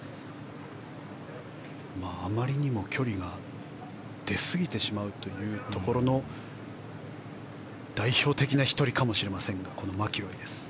あまりにも距離が出すぎてしまうというところの代表的な１人かもしれないのがこのマキロイです。